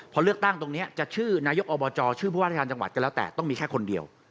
พอเลือกตั้งตรงนี้จะชื่อนายกอบจชื่อผู้ว่าราชการจังหวัดก็แล้วแต่ต้องมีแค่คนเดียว